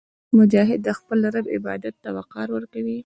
مجاهد د خپل رب عبادت ته وقار ورکوي.